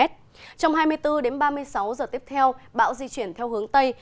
trong hai mươi bốn h đến ba mươi sáu h tiếp theo bão di chuyển theo hướng tây